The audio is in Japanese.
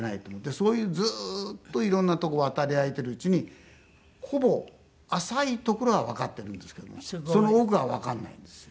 そういうずーっと色んなところ渡り歩いているうちにほぼ浅いところはわかっているんですけどもその奥がわかんないんですよ。